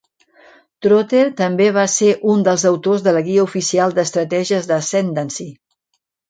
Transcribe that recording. Trotter també va ser un dels autors de la guia oficial d'estratègies d'Ascendancy.